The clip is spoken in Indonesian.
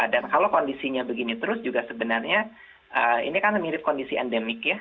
dan kalau kondisinya begini terus juga sebenarnya ini kan mirip kondisi endemik ya